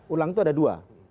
ulang itu ada dua